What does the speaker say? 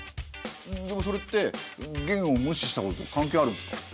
でもそれって元を無視したことと関係あるんですか？